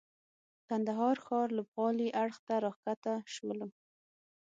کندهار ښار لوبغالي اړخ ته راکښته سولو.